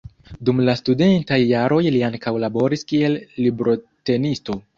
Dum la studentaj jaroj li ankaŭ laboris kiel librotenisto.